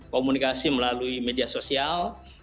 komunikasi melalui media sosial